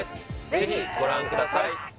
ぜひご覧ください